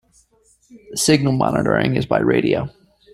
Signal monitoring is by radio.